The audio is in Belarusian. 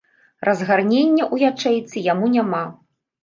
Разгарнення ў ячэйцы яму няма.